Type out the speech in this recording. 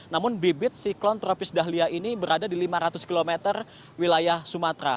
namun bibit siklon tropis dahlia ini berada di lima ratus km wilayah sumatera